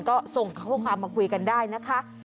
ก็ส่งข้อความมาคุยกันได้นะคะ